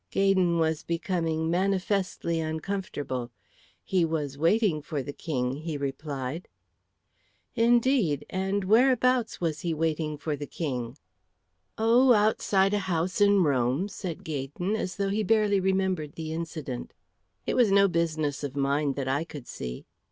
Gaydon was becoming manifestly uncomfortable. "He was waiting for the King," he replied. "Indeed. And whereabouts was he waiting for the King?" "Oh, outside a house in Rome," said Gaydon, as though he barely remembered the incident. "It was no business of mine, that I could see."